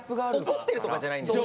怒ってるとかじゃないんですよ。